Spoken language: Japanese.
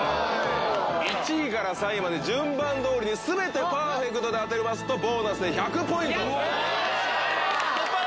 １位から３位まで順番通りに全てパーフェクトで当てますとボーナスで１００ポイント。